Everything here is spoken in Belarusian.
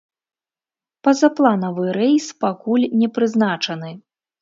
Пазапланавы рэйс пакуль не прызначаны.